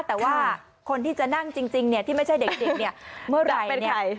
แต่ว่าคนที่จะนั่งจริงที่ไม่ใช่เด็กเนี่ยเมื่อไหร่